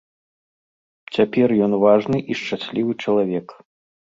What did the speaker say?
Цяпер ён важны і шчаслівы чалавек.